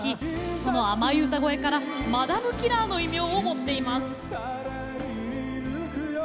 その甘い歌声からマダムキラーの異名を持っています。